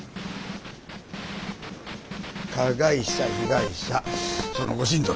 加害者被害者そのご親族